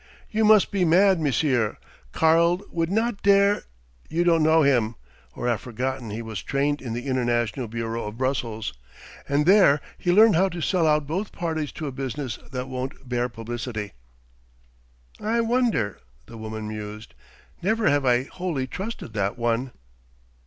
"You must be mad, monsieur. Karl would not dare...." "You don't know him or have forgotten he was trained in the International Bureau of Brussels, and there learned how to sell out both parties to a business that won't bear publicity." "I wonder," the woman mused. "Never have I wholly trusted that one."